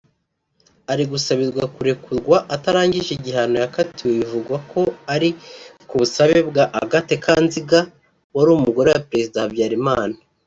ari gusabirwa kurekurwa atarangije igihano yakatiwe bivugwa ko ari kubusabe bwa Agathe Kanziga wari umugore wa Perezida Habyarimana